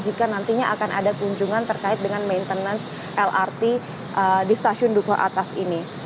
jika nantinya akan ada kunjungan terkait dengan maintenance lrt di stasiun dukuh atas ini